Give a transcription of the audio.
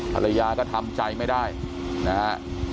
ภรรยาก็ทำใจไม่ได้นะฮะ